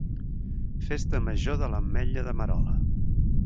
Festa Major de l'Ametlla de Merola.